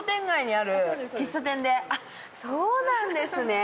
あっそうなんですね。